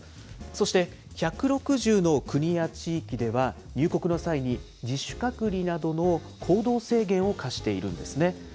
そして１６０の国や地域では、入国の際に自主隔離などの行動制限を課しているんですね。